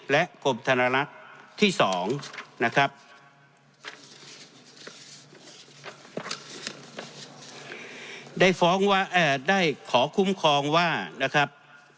และกรมธนลักษณ์ที่สองนะครับ